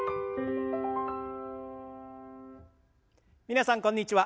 皆さんこんにちは。